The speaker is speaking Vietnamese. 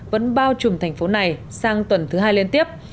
vẫn bao trùm thành phố này sang tuần thứ hai liên tiếp